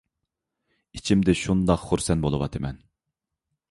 ئىچىمدە شۇنداق خۇرسەن بولۇۋاتىمەن